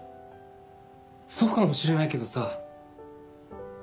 そうかもしれないけどさ。